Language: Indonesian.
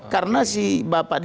karena si bapak dan si ibu